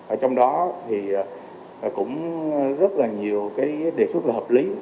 ở trong đó thì cũng rất là nhiều đề xuất hợp lý